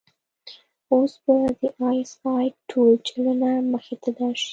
اوس به د آى اس آى ټول چلونه مخې ته درشي.